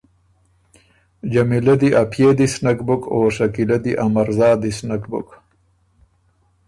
جمیلۀ دی ا پئے دِس نک بُک او شکیلۀ دی ا مرزا دِس نک بُک